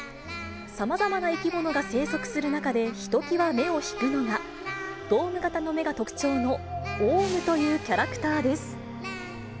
さまざまな生き物が生息する中でひときわ目を引くのが、ドーム型の目が特徴の王蟲というキャラクターです。